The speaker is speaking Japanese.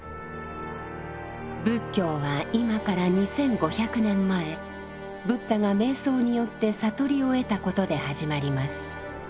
仏教は今から２，５００年前ブッダが瞑想によって悟りを得たことで始まります。